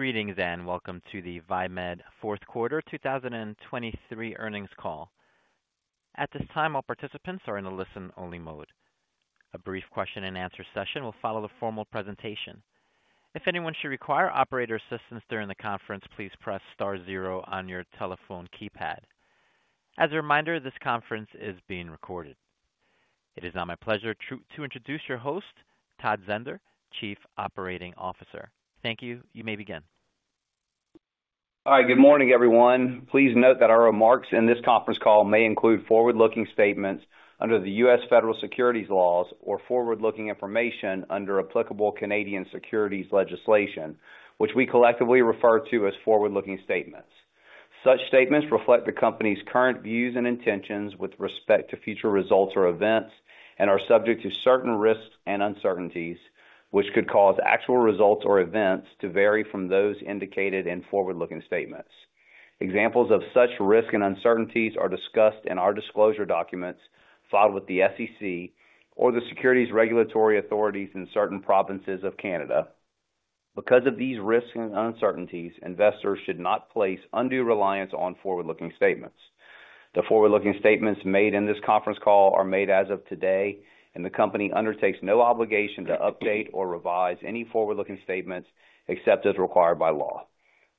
Greetings and welcome to the Viemed fourth quarter 2023 earnings call. At this time, all participants are in a listen-only mode. A brief question-and-answer session will follow the formal presentation. If anyone should require operator assistance during the conference, please press star zero on your telephone keypad. As a reminder, this conference is being recorded. It is now my pleasure to introduce your host, Todd Zehnder, Chief Operating Officer. Thank you. You may begin. All right. Good morning, everyone. Please note that our remarks in this conference call may include forward-looking statements under the U.S. Federal Securities Laws or forward-looking information under applicable Canadian securities legislation, which we collectively refer to as forward-looking statements. Such statements reflect the company's current views and intentions with respect to future results or events and are subject to certain risks and uncertainties, which could cause actual results or events to vary from those indicated in forward-looking statements. Examples of such risks and uncertainties are discussed in our disclosure documents filed with the SEC or the securities regulatory authorities in certain provinces of Canada. Because of these risks and uncertainties, investors should not place undue reliance on forward-looking statements. The forward-looking statements made in this conference call are made as of today, and the company undertakes no obligation to update or revise any forward-looking statements except as required by law.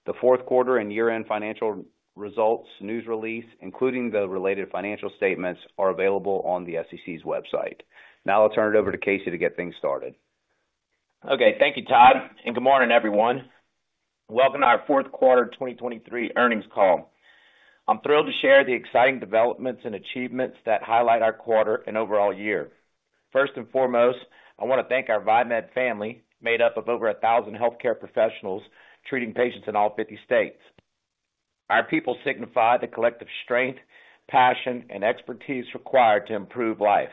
The fourth quarter and year-end financial results news release, including the related financial statements, are available on the SEC's website. Now I'll turn it over to Casey to get things started. Okay. Thank you, Todd. And good morning, everyone. Welcome to our fourth quarter 2023 earnings call. I'm thrilled to share the exciting developments and achievements that highlight our quarter and overall year. First and foremost, I want to thank our Viemed family, made up of over 1,000 healthcare professionals treating patients in all 50 states. Our people signify the collective strength, passion, and expertise required to improve life.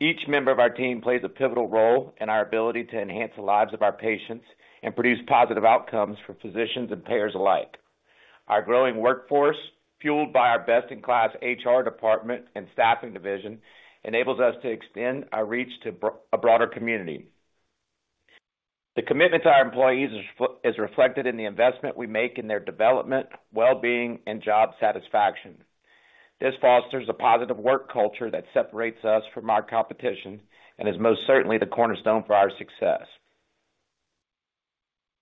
Each member of our team plays a pivotal role in our ability to enhance the lives of our patients and produce positive outcomes for physicians and payers alike. Our growing workforce, fueled by our best-in-class HR department and staffing division, enables us to extend our reach to a broader community. The commitment to our employees is reflected in the investment we make in their development, well-being, and job satisfaction. This fosters a positive work culture that separates us from our competition and is most certainly the cornerstone for our success.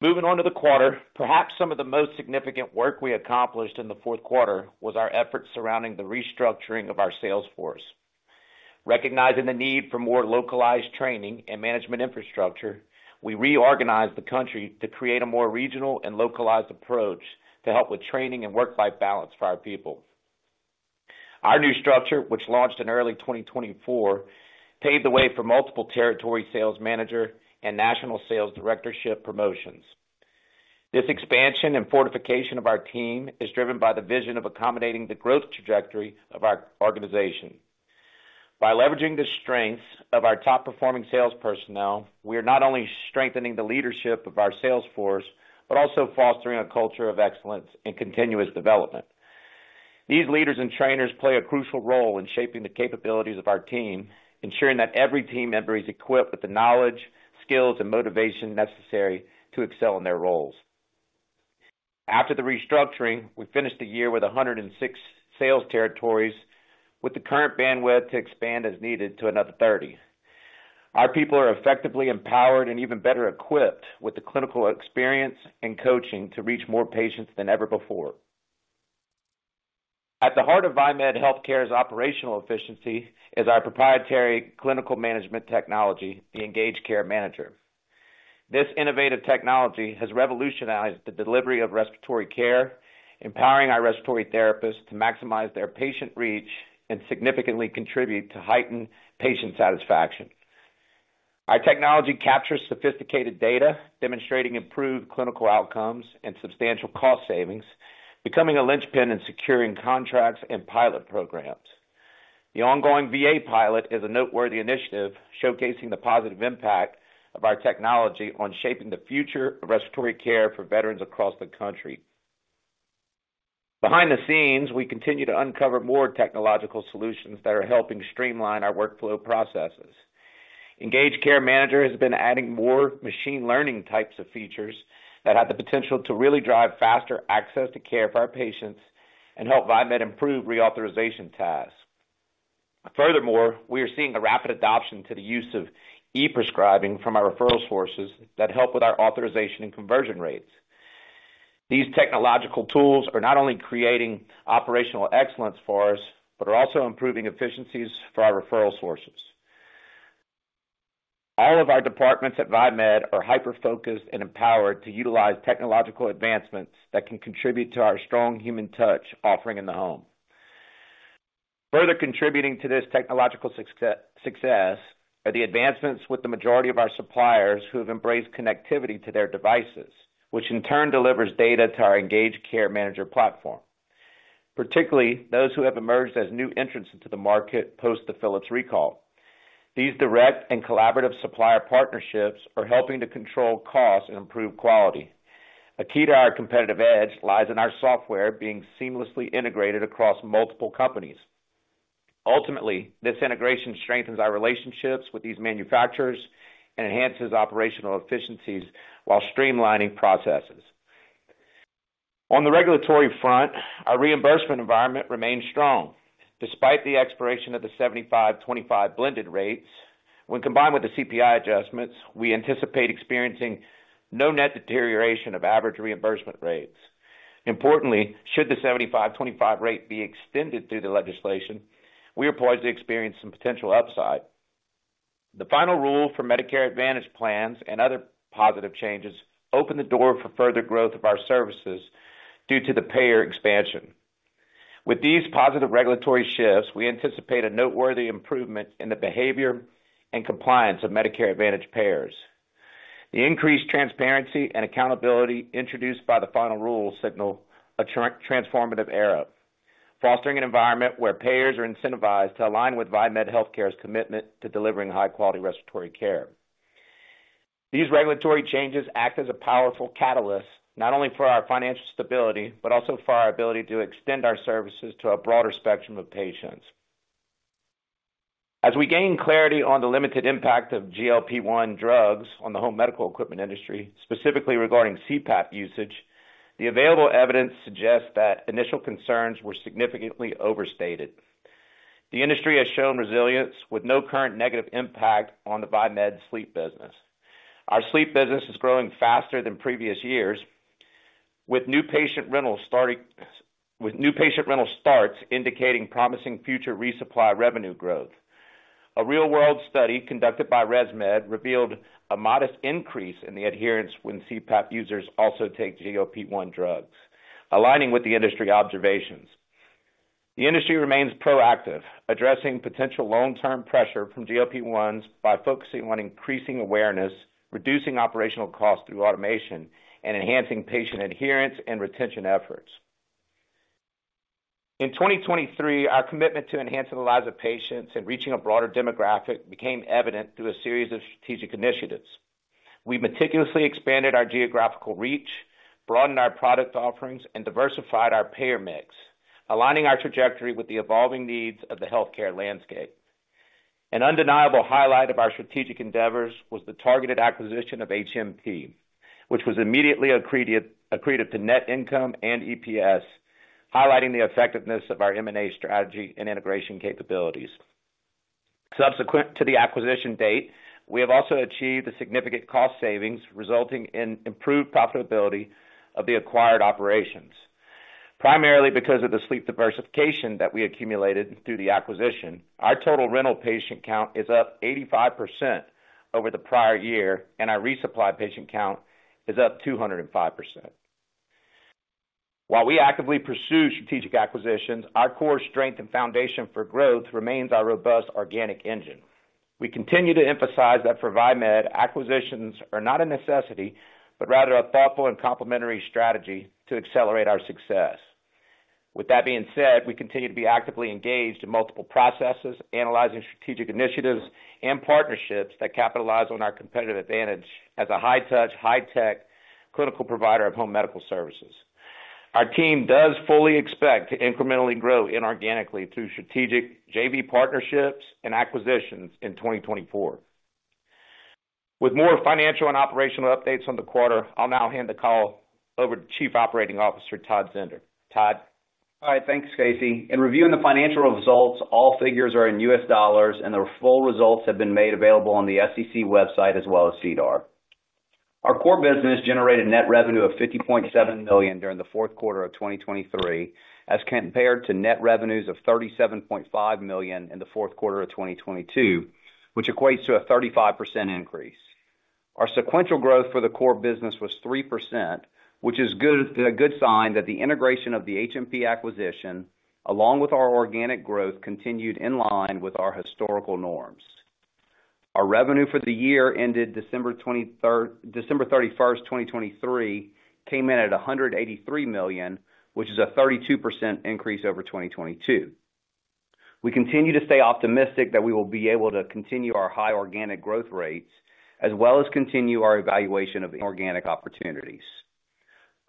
Moving on to the quarter, perhaps some of the most significant work we accomplished in the fourth quarter was our efforts surrounding the restructuring of our sales force. Recognizing the need for more localized training and management infrastructure, we reorganized the country to create a more regional and localized approach to help with training and work-life balance for our people. Our new structure, which launched in early 2024, paved the way for multiple territory sales manager and national sales directorship promotions. This expansion and fortification of our team is driven by the vision of accommodating the growth trajectory of our organization. By leveraging the strengths of our top-performing sales personnel, we are not only strengthening the leadership of our sales force but also fostering a culture of excellence and continuous development. These leaders and trainers play a crucial role in shaping the capabilities of our team, ensuring that every team member is equipped with the knowledge, skills, and motivation necessary to excel in their roles. After the restructuring, we finished the year with 106 sales territories, with the current bandwidth to expand as needed to another 30. Our people are effectively empowered and even better equipped with the clinical experience and coaching to reach more patients than ever before. At the heart of Viemed Healthcare's operational efficiency is our proprietary clinical management technology, the EngageCare Manager. This innovative technology has revolutionized the delivery of respiratory care, empowering our respiratory therapists to maximize their patient reach and significantly contribute to heightened patient satisfaction. Our technology captures sophisticated data, demonstrating improved clinical outcomes and substantial cost savings, becoming a linchpin in securing contracts and pilot programs. The ongoing VA pilot is a noteworthy initiative showcasing the positive impact of our technology on shaping the future of respiratory care for veterans across the country. Behind the scenes, we continue to uncover more technological solutions that are helping streamline our workflow processes. EngageCare Manager has been adding more machine learning types of features that have the potential to really drive faster access to care for our patients and help Viemed improve reauthorization tasks. Furthermore, we are seeing a rapid adoption to the use of e-prescribing from our referral sources that help with our authorization and conversion rates. These technological tools are not only creating operational excellence for us but are also improving efficiencies for our referral sources. All of our departments at Viemed are hyper-focused and empowered to utilize technological advancements that can contribute to our strong human touch offering in the home. Further contributing to this technological success are the advancements with the majority of our suppliers who have embraced connectivity to their devices, which in turn delivers data to our EngageCare Manager platform, particularly those who have emerged as new entrants into the market post the Philips recall. These direct and collaborative supplier partnerships are helping to control costs and improve quality. A key to our competitive edge lies in our software being seamlessly integrated across multiple companies. Ultimately, this integration strengthens our relationships with these manufacturers and enhances operational efficiencies while streamlining processes. On the regulatory front, our reimbursement environment remains strong. Despite the expiration of the 75/25 blended rates, when combined with the CPI adjustments, we anticipate experiencing no net deterioration of average reimbursement rates. Importantly, should the 75/25 rate be extended through the legislation, we are poised to experience some potential upside. The final rule for Medicare Advantage plans and other positive changes open the door for further growth of our services due to the payer expansion. With these positive regulatory shifts, we anticipate a noteworthy improvement in the behavior and compliance of Medicare Advantage payers. The increased transparency and accountability introduced by the final rule signal a transformative era, fostering an environment where payers are incentivized to align with Viemed Healthcare's commitment to delivering high-quality respiratory care. These regulatory changes act as a powerful catalyst not only for our financial stability but also for our ability to extend our services to a broader spectrum of patients. As we gain clarity on the limited impact of GLP-1 drugs on the home medical equipment industry, specifically regarding CPAP usage, the available evidence suggests that initial concerns were significantly overstated. The industry has shown resilience with no current negative impact on the Viemed sleep business. Our sleep business is growing faster than previous years, with new patient rental starts indicating promising future resupply revenue growth. A real-world study conducted by ResMed revealed a modest increase in the adherence when CPAP users also take GLP-1 drugs, aligning with the industry observations. The industry remains proactive, addressing potential long-term pressure from GLP-1s by focusing on increasing awareness, reducing operational costs through automation, and enhancing patient adherence and retention efforts. In 2023, our commitment to enhancing the lives of patients and reaching a broader demographic became evident through a series of strategic initiatives. We meticulously expanded our geographical reach, broadened our product offerings, and diversified our payer mix, aligning our trajectory with the evolving needs of the healthcare landscape. An undeniable highlight of our strategic endeavors was the targeted acquisition of HMP, which was immediately accretive to net income and EPS, highlighting the effectiveness of our M&A strategy and integration capabilities. Subsequent to the acquisition date, we have also achieved significant cost savings resulting in improved profitability of the acquired operations. Primarily because of the sleep diversification that we accumulated through the acquisition, our total rental patient count is up 85% over the prior year, and our resupply patient count is up 205%. While we actively pursue strategic acquisitions, our core strength and foundation for growth remains our robust organic engine. We continue to emphasize that for Viemed, acquisitions are not a necessity but rather a thoughtful and complementary strategy to accelerate our success. With that being said, we continue to be actively engaged in multiple processes, analyzing strategic initiatives and partnerships that capitalize on our competitive advantage as a high-touch, high-tech clinical provider of home medical services. Our team does fully expect to incrementally grow inorganically through strategic JV partnerships and acquisitions in 2024. With more financial and operational updates on the quarter, I'll now hand the call over to Chief Operating Officer Todd Zehnder. Todd? All right. Thanks, Casey. In reviewing the financial results, all figures are in U.S. dollars, and the full results have been made available on the SEC website as well as SEDAR. Our core business generated net revenue of $50.7 million during the fourth quarter of 2023 as compared to net revenues of $37.5 million in the fourth quarter of 2022, which equates to a 35% increase. Our sequential growth for the core business was 3%, which is a good sign that the integration of the HMP acquisition, along with our organic growth, continued in line with our historical norms. Our revenue for the year ended December 31st, 2023, came in at $183 million, which is a 32% increase over 2022. We continue to stay optimistic that we will be able to continue our high organic growth rates as well as continue our evaluation of inorganic opportunities.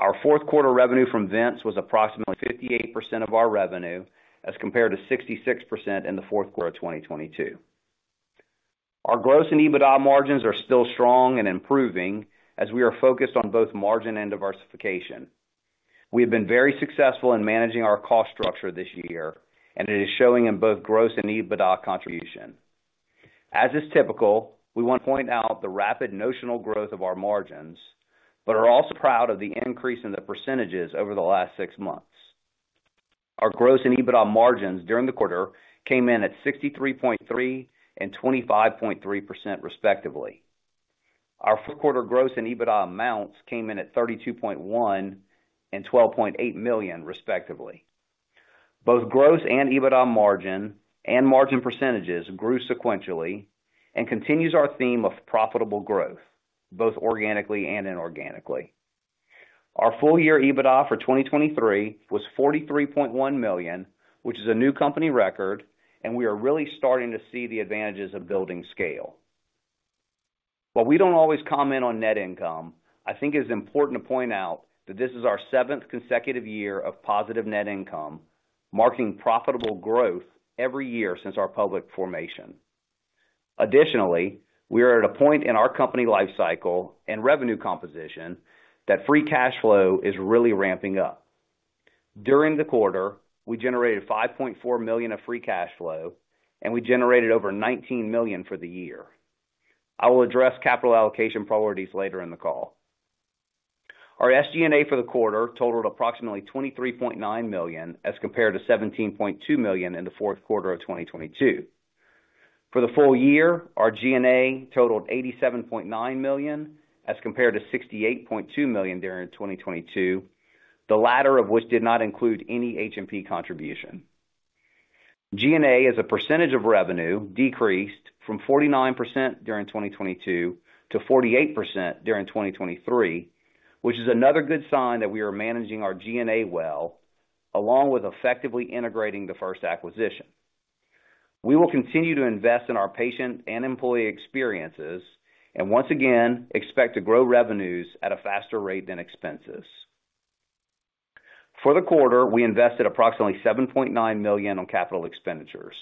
Our fourth quarter revenue from Vents was approximately 58% of our revenue as compared to 66% in the fourth quarter of 2022. Our gross and EBITDA margins are still strong and improving as we are focused on both margin and diversification. We have been very successful in managing our cost structure this year, and it is showing in both gross and EBITDA contribution. As is typical, we want to point out the rapid notional growth of our margins but are also proud of the increase in the percentages over the last six months. Our gross and EBITDA margins during the quarter came in at 63.3% and 25.3%, respectively. Our fourth quarter gross and EBITDA amounts came in at $32.1 million and $12.8 million, respectively. Both gross and EBITDA margin and margin percentages grew sequentially and continue our theme of profitable growth, both organically and inorganically. Our full-year EBITDA for 2023 was $43.1 million, which is a new company record, and we are really starting to see the advantages of building scale. While we don't always comment on net income, I think it is important to point out that this is our seventh consecutive year of positive net income, marking profitable growth every year since our public formation. Additionally, we are at a point in our company lifecycle and revenue composition that free cash flow is really ramping up. During the quarter, we generated $5.4 million of free cash flow, and we generated over $19 million for the year. I will address capital allocation priorities later in the call. Our SG&A for the quarter totaled approximately $23.9 million as compared to $17.2 million in the fourth quarter of 2022. For the full year, our G&A totaled $87.9 million as compared to $68.2 million during 2022, the latter of which did not include any HMP contribution. G&A, as a percentage of revenue, decreased from 49% during 2022 to 48% during 2023, which is another good sign that we are managing our G&A well, along with effectively integrating the first acquisition. We will continue to invest in our patient and employee experiences and, once again, expect to grow revenues at a faster rate than expenses. For the quarter, we invested approximately $7.9 million on capital expenditures,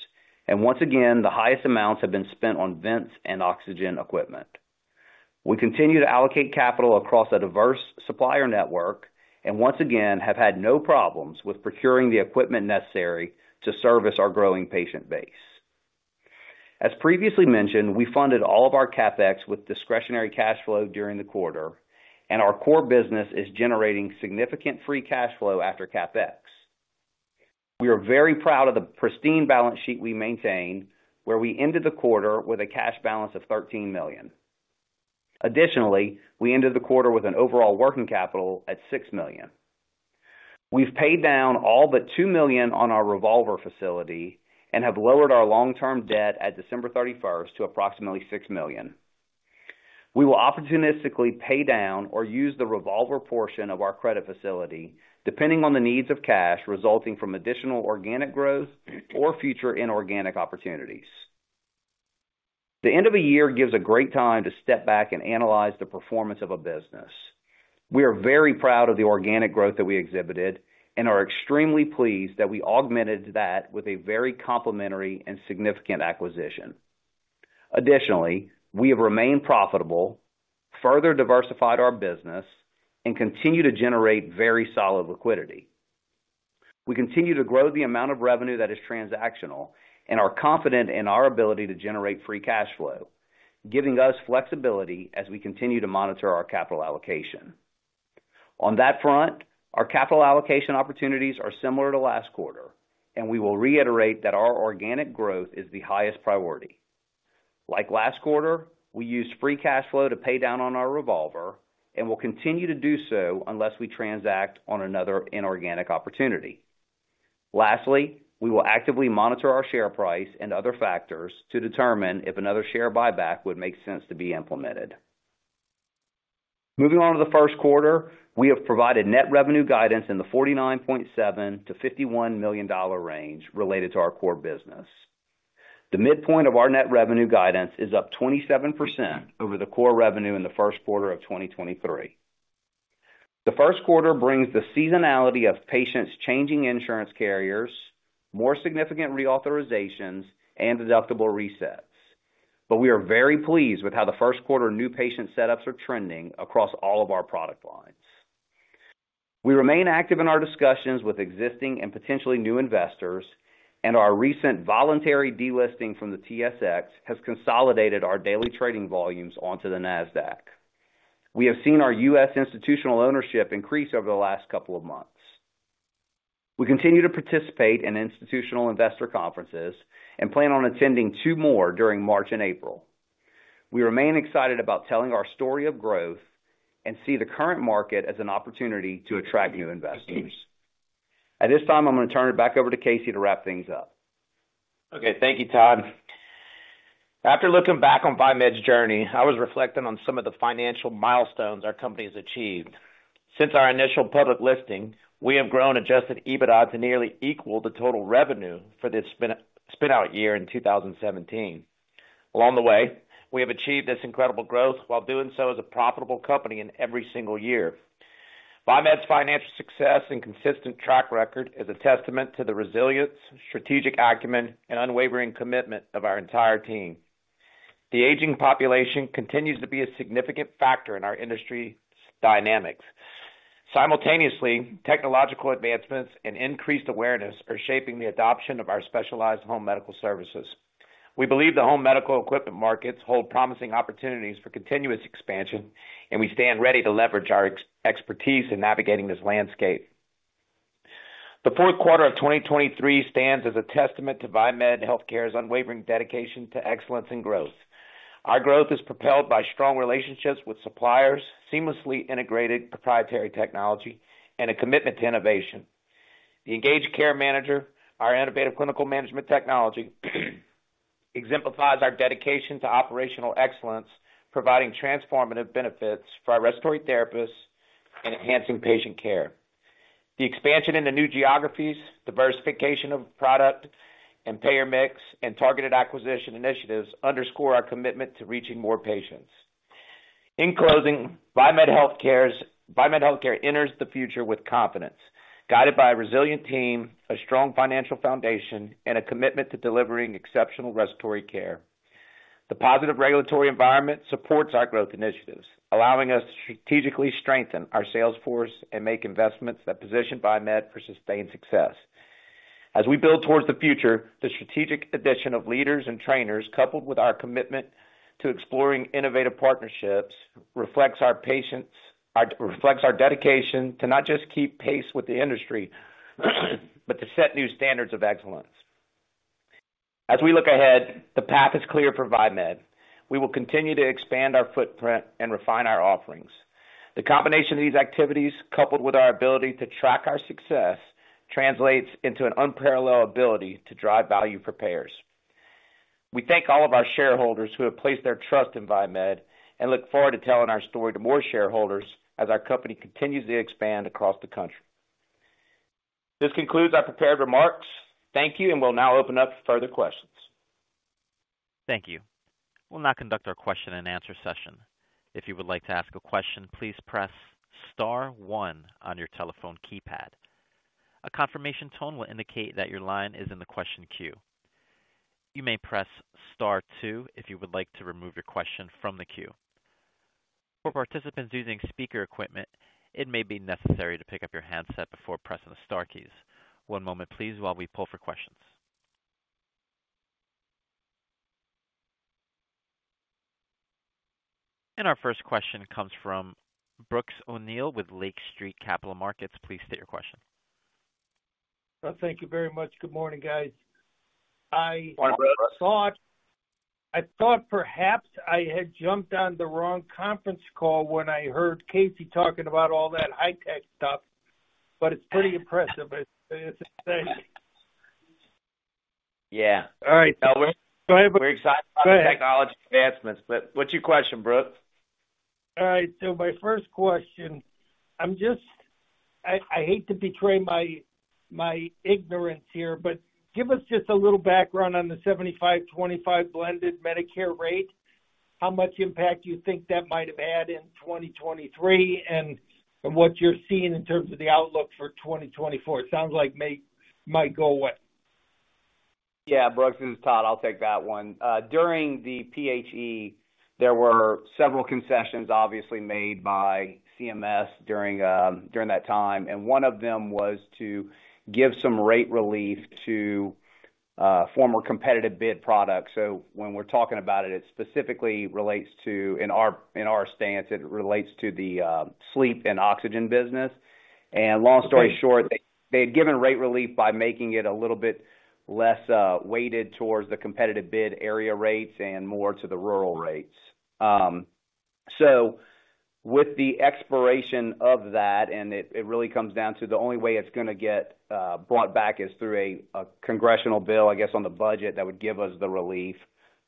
and once again, the highest amounts have been spent on vents and oxygen equipment. We continue to allocate capital across a diverse supplier network and, once again, have had no problems with procuring the equipment necessary to service our growing patient base. As previously mentioned, we funded all of our CapEx with discretionary cash flow during the quarter, and our core business is generating significant free cash flow after CapEx. We are very proud of the pristine balance sheet we maintain, where we ended the quarter with a cash balance of $13 million. Additionally, we ended the quarter with an overall working capital at $6 million. We've paid down all but $2 million on our revolver facility and have lowered our long-term debt at December 31st to approximately $6 million. We will opportunistically pay down or use the revolver portion of our credit facility, depending on the needs of cash resulting from additional organic growth or future inorganic opportunities. The end of a year gives a great time to step back and analyze the performance of a business. We are very proud of the organic growth that we exhibited and are extremely pleased that we augmented that with a very complementary and significant acquisition. Additionally, we have remained profitable, further diversified our business, and continued to generate very solid liquidity. We continue to grow the amount of revenue that is transactional and are confident in our ability to generate free cash flow, giving us flexibility as we continue to monitor our capital allocation. On that front, our capital allocation opportunities are similar to last quarter, and we will reiterate that our organic growth is the highest priority. Like last quarter, we used free cash flow to pay down on our revolver and will continue to do so unless we transact on another inorganic opportunity. Lastly, we will actively monitor our share price and other factors to determine if another share buyback would make sense to be implemented. Moving on to the first quarter, we have provided net revenue guidance in the $49.7 million-$51 million range related to our core business. The midpoint of our net revenue guidance is up 27% over the core revenue in the first quarter of 2023. The first quarter brings the seasonality of patients changing insurance carriers, more significant reauthorizations, and deductible resets, but we are very pleased with how the first quarter new patient setups are trending across all of our product lines. We remain active in our discussions with existing and potentially new investors, and our recent voluntary delisting from the TSX has consolidated our daily trading volumes onto the NASDAQ. We have seen our U.S. institutional ownership increase over the last couple of months. We continue to participate in institutional investor conferences and plan on attending two more during March and April. We remain excited about telling our story of growth and see the current market as an opportunity to attract new investors. At this time, I'm going to turn it back over to Casey to wrap things up. Okay. Thank you, Todd. After looking back on Viemed's journey, I was reflecting on some of the financial milestones our company has achieved. Since our initial public listing, we have grown adjusted EBITDA to nearly equal the total revenue for the spinout year in 2017. Along the way, we have achieved this incredible growth while doing so as a profitable company in every single year. Viemed's financial success and consistent track record is a testament to the resilience, strategic acumen, and unwavering commitment of our entire team. The aging population continues to be a significant factor in our industry dynamics. Simultaneously, technological advancements and increased awareness are shaping the adoption of our specialized home medical services. We believe the home medical equipment markets hold promising opportunities for continuous expansion, and we stand ready to leverage our expertise in navigating this landscape. The fourth quarter of 2023 stands as a testament to Viemed Healthcare's unwavering dedication to excellence and growth. Our growth is propelled by strong relationships with suppliers, seamlessly integrated proprietary technology, and a commitment to innovation. The EngageCare Manager, our innovative clinical management technology, exemplifies our dedication to operational excellence, providing transformative benefits for our respiratory therapists and enhancing patient care. The expansion into new geographies, diversification of product and payer mix, and targeted acquisition initiatives underscore our commitment to reaching more patients. In closing, Viemed Healthcare enters the future with confidence, guided by a resilient team, a strong financial foundation, and a commitment to delivering exceptional respiratory care. The positive regulatory environment supports our growth initiatives, allowing us to strategically strengthen our sales force and make investments that position Viemed for sustained success. As we build towards the future, the strategic addition of leaders and trainers, coupled with our commitment to exploring innovative partnerships, reflects our dedication to not just keep pace with the industry but to set new standards of excellence. As we look ahead, the path is clear for Viemed. We will continue to expand our footprint and refine our offerings. The combination of these activities, coupled with our ability to track our success, translates into an unparalleled ability to drive value for payers. We thank all of our shareholders who have placed their trust in Viemed and look forward to telling our story to more shareholders as our company continues to expand across the country. This concludes our prepared remarks. Thank you, and we'll now open up for further questions. Thank you. We'll now conduct our question-and-answer session. If you would like to ask a question, please press star one on your telephone keypad. A confirmation tone will indicate that your line is in the question queue. You may press star two if you would like to remove your question from the queue. For participants using speaker equipment, it may be necessary to pick up your handset before pressing the star keys. One moment, please, while we pull for questions. And our first question comes from Brooks O'Neil with Lake Street Capital Markets. Please state your question. Thank you very much. Good morning, guys. I thought perhaps I had jumped on the wrong conference call when I heard Casey talking about all that high-tech stuff, but it's pretty impressive. It's insane. Yeah. All right. We're excited about the technology advancements, but what's your question, Brooks? All right. So my first question, I hate to betray my ignorance here, but give us just a little background on the 75/25 blended Medicare rate. How much impact do you think that might have had in 2023 and what you're seeing in terms of the outlook for 2024? It sounds like it might go away. Yeah. Brooks, it's Todd. I'll take that one. During the PHE, there were several concessions, obviously, made by CMS during that time, and one of them was to give some rate relief to former competitive bid products. So when we're talking about it, it specifically relates to in our instance, it relates to the sleep and oxygen business. And long story short, they had given rate relief by making it a little bit less weighted towards the competitive bid area rates and more to the rural rates. So with the expiration of that, and it really comes down to the only way it's going to get brought back is through a congressional bill, I guess, on the budget that would give us the relief.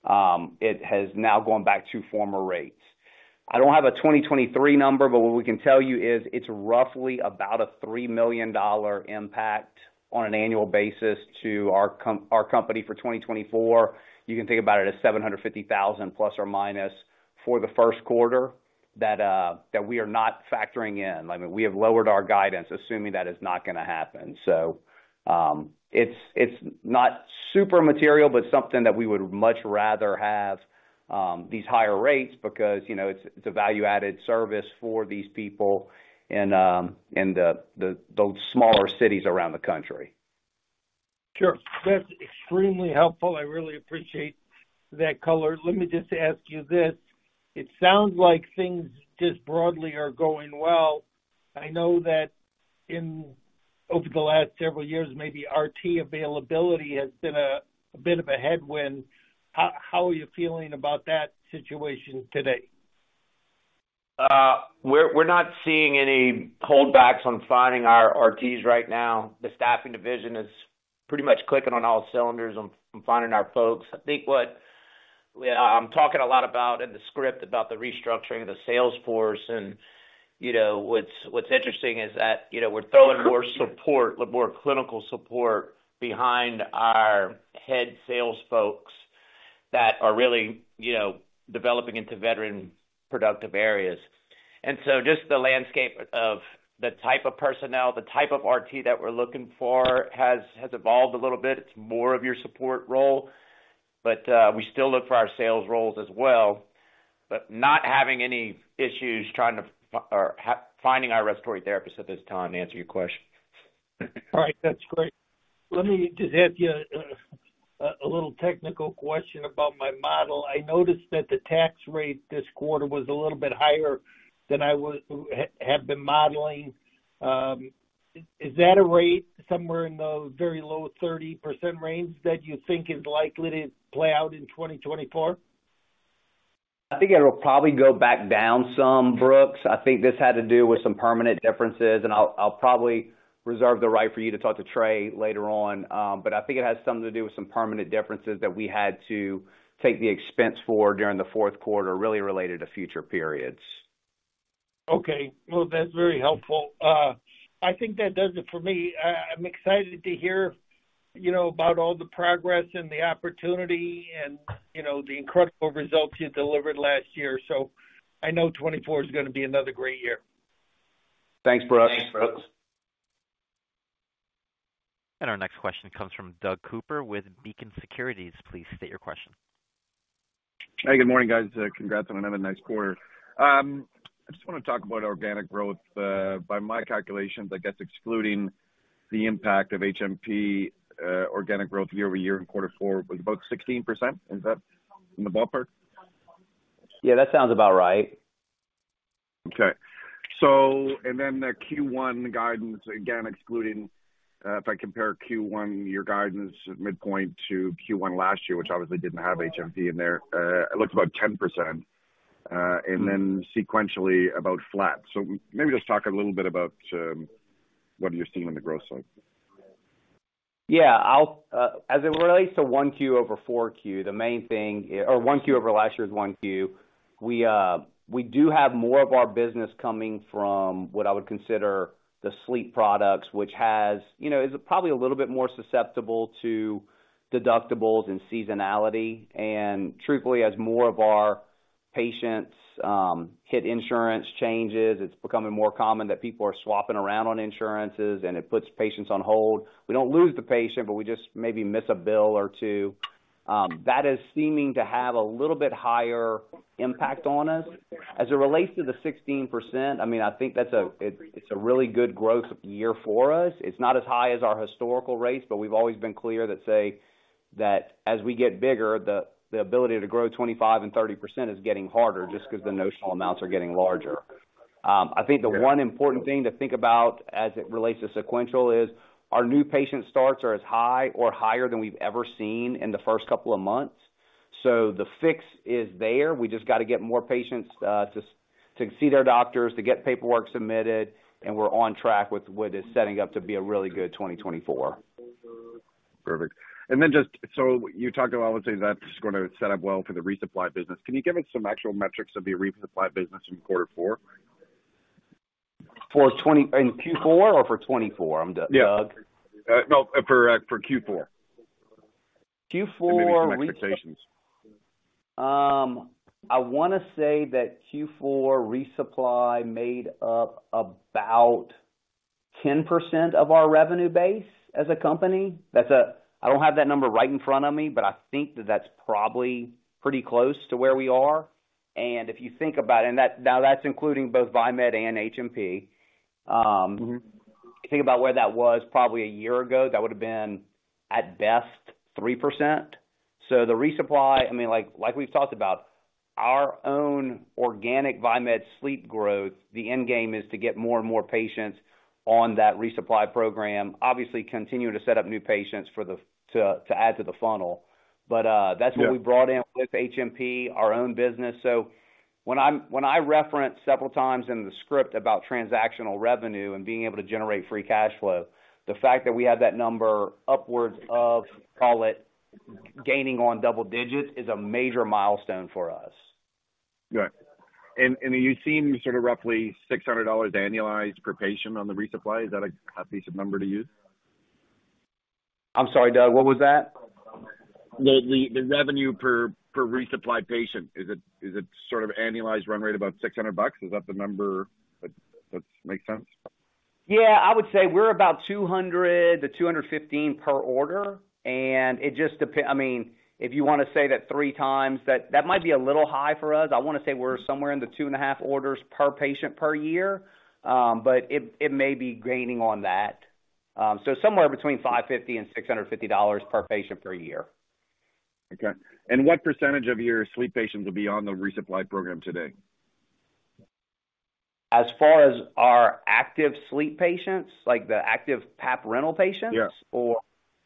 It has now gone back to former rates. I don't have a 2023 number, but what we can tell you is it's roughly about a $3 million impact on an annual basis to our company for 2024. You can think about it as 750,000 ± for the first quarter that we are not factoring in. I mean, we have lowered our guidance, assuming that is not going to happen. So it's not super material, but something that we would much rather have, these higher rates, because it's a value-added service for these people in those smaller cities around the country. Sure. That's extremely helpful. I really appreciate that color. Let me just ask you this. It sounds like things just broadly are going well. I know that over the last several years, maybe RT availability has been a bit of a headwind. How are you feeling about that situation today? We're not seeing any holdbacks on finding our RTs right now. The staffing division is pretty much clicking on all cylinders and finding our folks. I think what I'm talking a lot about in the script about the restructuring of the sales force, and what's interesting is that we're throwing more support, more clinical support, behind our head sales folks that are really developing into veteran productive areas. And so just the landscape of the type of personnel, the type of RT that we're looking for has evolved a little bit. It's more of your support role, but we still look for our sales roles as well. But not having any issues finding our respiratory therapists at this time, to answer your question. All right. That's great. Let me just ask you a little technical question about my model. I noticed that the tax rate this quarter was a little bit higher than I had been modeling. Is that a rate somewhere in the very low 30% range that you think is likely to play out in 2024? I think it'll probably go back down some, Brooks. I think this had to do with some permanent differences, and I'll probably reserve the right for you to talk to Trae later on. But I think it has something to do with some permanent differences that we had to take the expense for during the fourth quarter, really related to future periods. Okay. Well, that's very helpful. I think that does it for me. I'm excited to hear about all the progress and the opportunity and the incredible results you delivered last year. I know 2024 is going to be another great year. Thanks, Brooks. Thanks, Brooks. Our next question comes from Doug Cooper with Beacon Securities. Please state your question. Hey. Good morning, guys. Congrats on another nice quarter. I just want to talk about organic growth. By my calculations, I guess excluding the impact of HMP, organic growth year-over-year in quarter four was about 16%. Is that in the ballpark? Yeah. That sounds about right. Okay. And then the Q1 guidance, again, excluding if I compare Q1, your guidance midpoint to Q1 last year, which obviously didn't have HMP in there, it looked about 10% and then sequentially about flat. So maybe just talk a little bit about what you're seeing on the growth side. Yeah. As it relates to 1Q over 4Q, the main thing or 1Q over last year's 1Q, we do have more of our business coming from what I would consider the sleep products, which is probably a little bit more susceptible to deductibles and seasonality. And truthfully, as more of our patients hit insurance changes, it's becoming more common that people are swapping around on insurances, and it puts patients on hold. We don't lose the patient, but we just maybe miss a bill or two. That is seeming to have a little bit higher impact on us. As it relates to the 16%, I mean, I think it's a really good growth year for us. It's not as high as our historical rates, but we've always been clear that, say, as we get bigger, the ability to grow 25% and 30% is getting harder just because the notional amounts are getting larger. I think the one important thing to think about as it relates to sequential is our new patient starts are as high or higher than we've ever seen in the first couple of months. So the fix is there. We just got to get more patients to see their doctors, to get paperwork submitted, and we're on track with what is setting up to be a really good 2024. Perfect. And then just so you talked about, I would say, that's going to set up well for the resupply business. Can you give us some actual metrics of the resupply business in quarter four? In Q4 or for 2024, Doug? Yeah. No, for Q4. Q4 or maybe some expectations? I want to say that Q4 resupply made up about 10% of our revenue base as a company. I don't have that number right in front of me, but I think that that's probably pretty close to where we are. And if you think about it and now that's including both Viemed and HMP. If you think about where that was probably a year ago, that would have been at best 3%. So the resupply, I mean, like we've talked about, our own organic Viemed sleep growth, the end game is to get more and more patients on that resupply program, obviously continue to set up new patients to add to the funnel. But that's what we brought in with HMP, our own business. So when I reference several times in the script about transactional revenue and being able to generate free cash flow, the fact that we have that number upwards of, call it, gaining on double digits is a major milestone for us. Got it. You seem sort of roughly $600 annualized per patient on the resupply. Is that a good piece of number to use? I'm sorry, Doug. What was that? The revenue per resupply patient. Is it sort of annualized run rate about $600? Is that the number that makes sense? Yeah. I would say we're about 200-215 per order. And it just depends I mean, if you want to say that 3 times, that might be a little high for us. I want to say we're somewhere in the 2.5 orders per patient per year, but it may be gaining on that. So somewhere between $550-$650 per patient per year. Okay. And what percentage of your sleep patients will be on the resupply program today? As far as our active sleep patients, like the active PAP-rental patients, or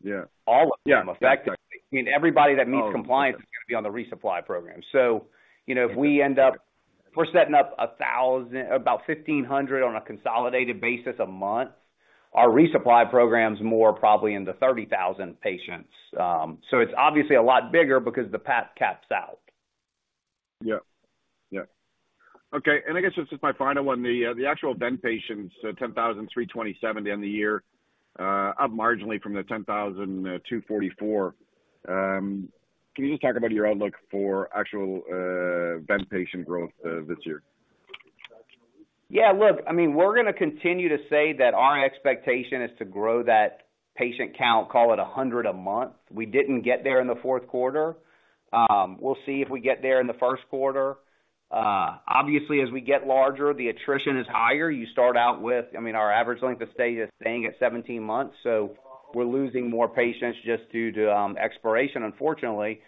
all of them effectively? I mean, everybody that meets compliance is going to be on the resupply program. So if we end up we're setting up about 1,500 on a consolidated basis a month. Our resupply program's more probably in the 30,000 patients. So it's obviously a lot bigger because the PAP caps out. Yeah. Yeah. Okay. And I guess this is my final one. The actual vent patients, 10,327 at the end of the year, up marginally from the 10,244. Can you just talk about your outlook for actual vent patient growth this year? Yeah. Look, I mean, we're going to continue to say that our expectation is to grow that patient count, call it 100 a month. We didn't get there in the fourth quarter. We'll see if we get there in the first quarter. Obviously, as we get larger, the attrition is higher. You start out with I mean, our average length of stay is staying at 17 months. So we're losing more patients just due to expiration, unfortunately.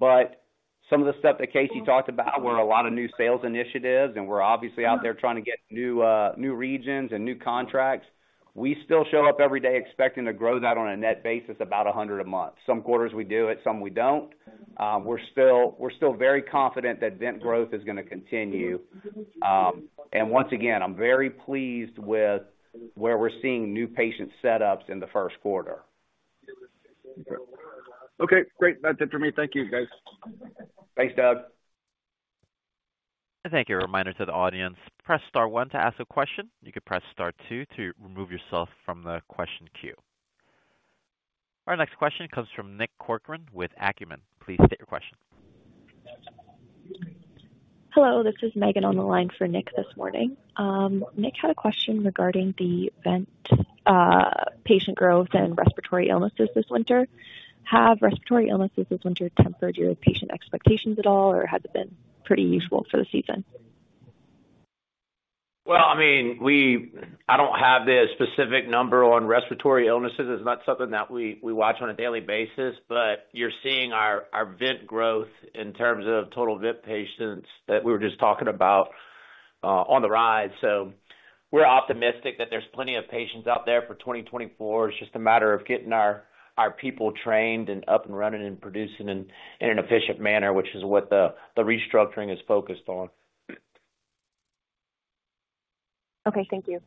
But some of the stuff that Casey talked about were a lot of new sales initiatives, and we're obviously out there trying to get new regions and new contracts. We still show up every day expecting to grow that on a net basis about 100 a month. Some quarters, we do it. Some we don't. We're still very confident that vent growth is going to continue. Once again, I'm very pleased with where we're seeing new patient setups in the first quarter. Okay. Great. That's it for me. Thank you, guys. Thanks, Doug. Thank you. A reminder to the audience, press star one to ask a question. You could press star two to remove yourself from the question queue. Our next question comes from Nick Corcoran with Acumen. Please state your question. Hello. This is Megan on the line for Nick this morning. Nick had a question regarding the vent patient growth and respiratory illnesses this winter. Have respiratory illnesses this winter tempered your patient expectations at all, or has it been pretty usual for the season? Well, I mean, I don't have the specific number on respiratory illnesses. It's not something that we watch on a daily basis. But you're seeing our vent growth in terms of total vent patients that we were just talking about on the rise. So we're optimistic that there's plenty of patients out there for 2024. It's just a matter of getting our people trained and up and running and producing in an efficient manner, which is what the restructuring is focused on. Okay. Thank you.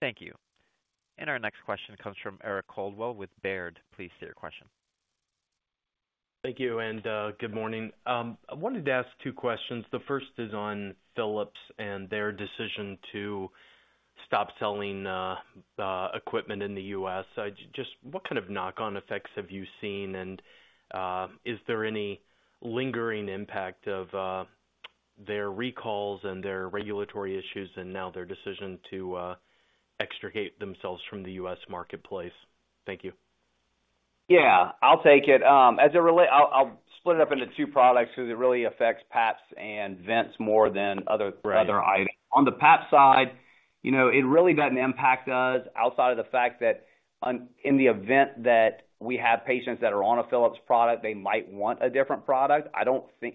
Thank you. Our next question comes from Eric Coldwell with Baird. Please state your question. Thank you. And good morning. I wanted to ask two questions. The first is on Philips and their decision to stop selling equipment in the U.S. Just what kind of knock-on effects have you seen, and is there any lingering impact of their recalls and their regulatory issues and now their decision to extricate themselves from the U.S. marketplace? Thank you. Yeah. I'll take it. I'll split it up into two products because it really affects PAPs and vents more than other items. On the PAP side, it really doesn't impact us outside of the fact that in the event that we have patients that are on a Philips product, they might want a different product.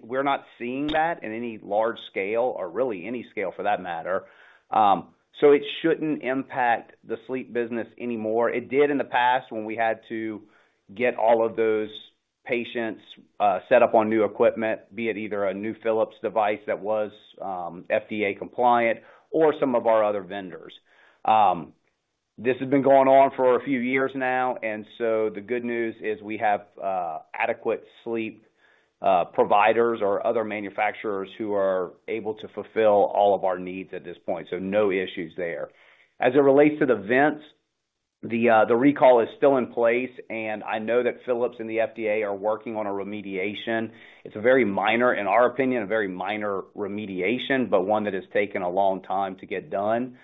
We're not seeing that in any large scale or really any scale for that matter. So it shouldn't impact the sleep business anymore. It did in the past when we had to get all of those patients set up on new equipment, be it either a new Philips device that was FDA compliant or some of our other vendors. This has been going on for a few years now. And so the good news is we have adequate sleep providers or other manufacturers who are able to fulfill all of our needs at this point. So no issues there. As it relates to the vents, the recall is still in place, and I know that Philips and the FDA are working on a remediation. It's a very minor, in our opinion, a very minor remediation, but one that has taken a long time to get done.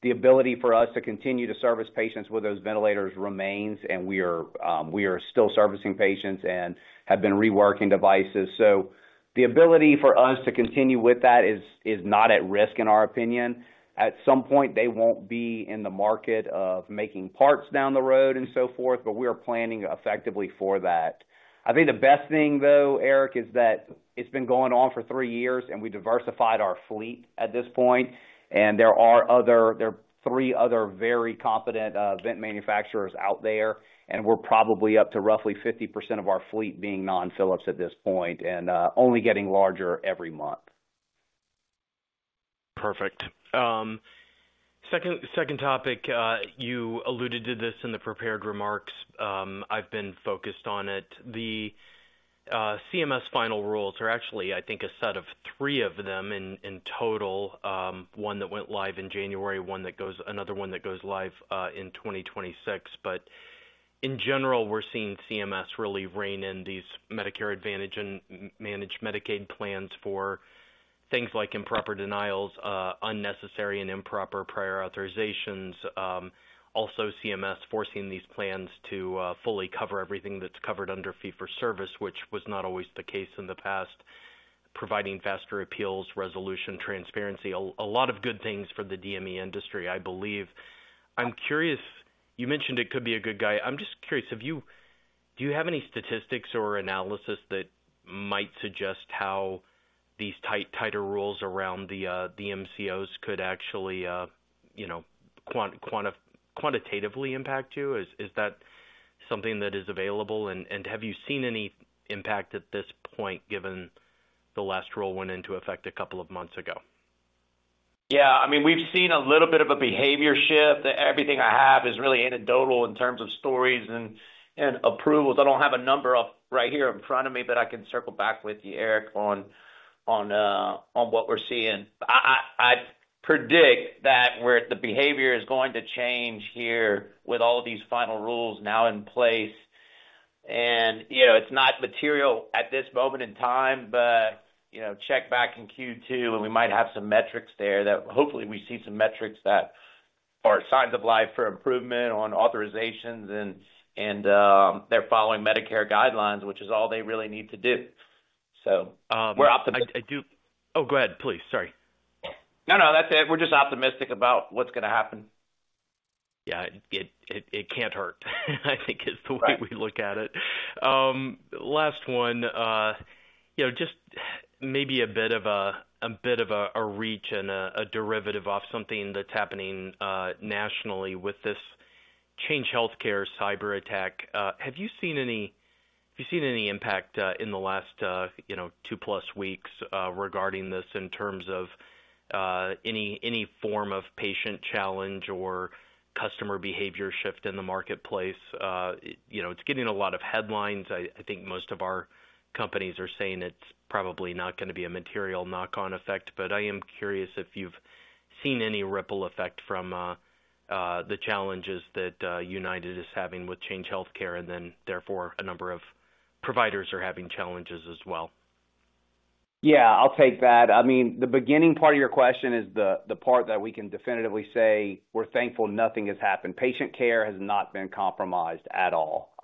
The ability for us to continue to service patients with those ventilators remains, and we are still servicing patients and have been reworking devices. So the ability for us to continue with that is not at risk, in our opinion. At some point, they won't be in the market of making parts down the road and so forth, but we are planning effectively for that. I think the best thing, though, Eric, is that it's been going on for three years, and we diversified our fleet at this point. There are three other very competent vent manufacturers out there, and we're probably up to roughly 50% of our fleet being non-Philips at this point and only getting larger every month. Perfect. Second topic. You alluded to this in the prepared remarks. I've been focused on it. The CMS final rules are actually, I think, a set of three of them in total: one that went live in January, another one that goes live in 2026. But in general, we're seeing CMS really rein in these Medicare Advantage and Managed Medicaid plans for things like improper denials, unnecessary and improper prior authorizations, also CMS forcing these plans to fully cover everything that's covered under fee-for-service, which was not always the case in the past, providing faster appeals, resolution, transparency, a lot of good things for the DME industry, I believe. You mentioned it could be a good guide. I'm just curious, do you have any statistics or analysis that might suggest how these tighter rules around the MCOs could actually quantitatively impact you? Is that something that is available? Have you seen any impact at this point given the last rule went into effect a couple of months ago? Yeah. I mean, we've seen a little bit of a behavior shift. Everything I have is really anecdotal in terms of stories and approvals. I don't have a number right here in front of me, but I can circle back with you, Eric, on what we're seeing. I predict that the behavior is going to change here with all these final rules now in place. It's not material at this moment in time, but check back in Q2, and we might have some metrics there that hopefully, we see some metrics that are signs of life for improvement on authorizations, and they're following Medicare guidelines, which is all they really need to do. We're optimistic. Oh, go ahead, please. Sorry. No, no. That's it. We're just optimistic about what's going to happen. Yeah. It can't hurt, I think, is the way we look at it. Last one, just maybe a bit of a reach and a derivative off something that's happening nationally with this Change Healthcare cyberattack. Have you seen any impact in the last two-plus weeks regarding this in terms of any form of patient challenge or customer behavior shift in the marketplace? It's getting a lot of headlines. I think most of our companies are saying it's probably not going to be a material knock-on effect. But I am curious if you've seen any ripple effect from the challenges that United is having with Change Healthcare, and then therefore, a number of providers are having challenges as well. Yeah. I'll take that. I mean, the beginning part of your question is the part that we can definitively say we're thankful nothing has happened. Patient care has not been compromised at all.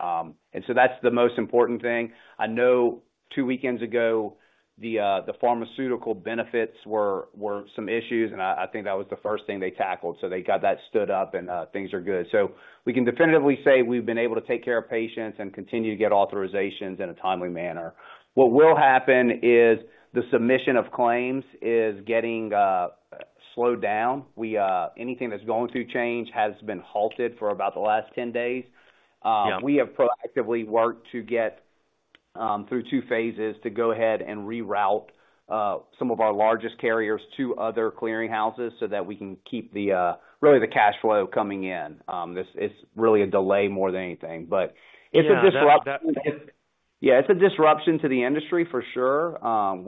So that's the most important thing. I know two weekends ago, the pharmaceutical benefits were some issues, and I think that was the first thing they tackled. So they got that stood up, and things are good. So we can definitively say we've been able to take care of patients and continue to get authorizations in a timely manner. What will happen is the submission of claims is getting slowed down. Anything that's going through Change has been halted for about the last 10 days. We have proactively worked through two phases to go ahead and reroute some of our largest carriers to other clearing houses so that we can keep really the cash flow coming in. It's really a delay more than anything. But it's a disruption. Yeah. It's a disruption to the industry, for sure.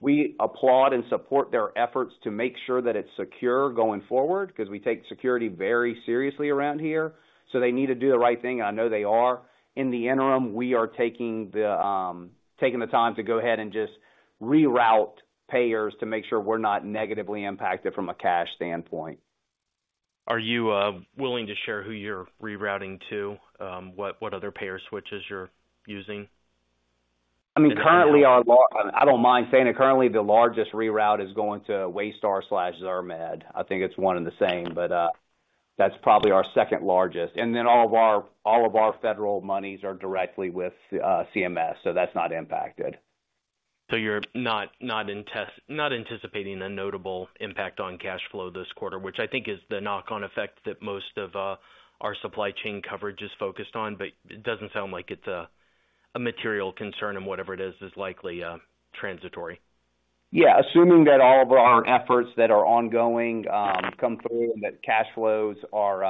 We applaud and support their efforts to make sure that it's secure going forward because we take security very seriously around here. So they need to do the right thing, and I know they are. In the interim, we are taking the time to go ahead and just reroute payers to make sure we're not negatively impacted from a cash standpoint. Are you willing to share who you're rerouting to? What other payer switches you're using? I mean, currently, I don't mind saying it. Currently, the largest reroute is going to Waystar/ZirMed. I think it's one and the same, but that's probably our second largest. And then all of our federal monies are directly with CMS, so that's not impacted. So you're not anticipating a notable impact on cash flow this quarter, which I think is the knock-on effect that most of our supply chain coverage is focused on, but it doesn't sound like it's a material concern, and whatever it is is likely transitory. Yeah. Assuming that all of our efforts that are ongoing come through and that cash flows are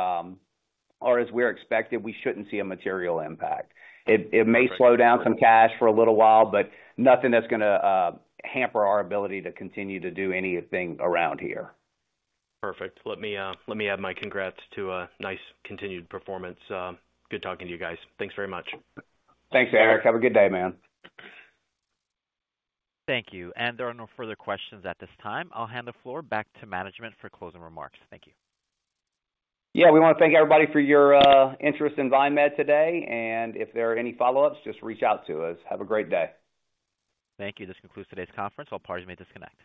as we're expected, we shouldn't see a material impact. It may slow down some cash for a little while, but nothing that's going to hamper our ability to continue to do anything around here. Perfect. Let me add my congrats to a nice continued performance. Good talking to you guys. Thanks very much. Thanks, Eric. Have a good day, man. Thank you. There are no further questions at this time. I'll hand the floor back to management for closing remarks. Thank you. Yeah. We want to thank everybody for your interest in Viemed today. If there are any follow-ups, just reach out to us. Have a great day. Thank you. This concludes today's conference. I'll pardon me at disconnect.